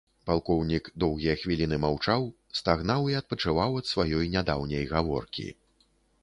Палкоўнік доўгія хвіліны маўчаў, стагнаў і адпачываў ад сваёй нядаўняй гаворкі.